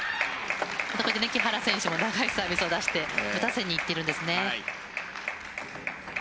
木原選手も長いサービスを出して打たせにいっています。